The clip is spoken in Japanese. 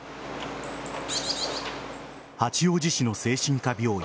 八王子市の精神科病院